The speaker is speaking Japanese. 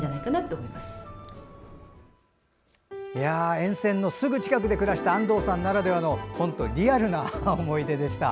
沿線のすぐ近くで暮らした安藤さんならではのリアルな思い出でした。